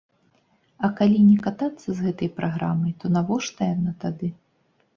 А калі не катацца з гэтай праграмай, то навошта яна тады.